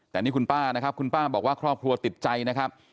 แต่นี่คุณป้านะครับคุณป้าบอกว่าครอบครัวติดใจนะครับ